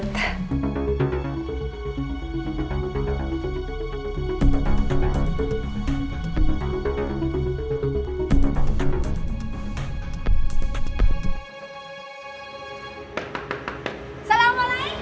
kan sekarang berarti abu udah tahu